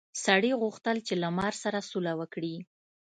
سړي غوښتل چې له مار سره سوله وکړي.